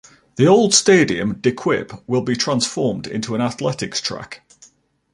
The old stadium 'De Kuip' will be transformed into an athletics track.